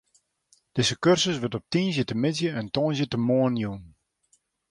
Dizze kursus wurdt op tiisdeitemiddei en tongersdeitemoarn jûn.